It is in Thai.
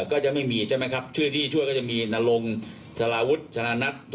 ก็จะมีใช่ไหมครับชื่อที่ช่วยก็จะมีนรงสารวุฒิธนานัท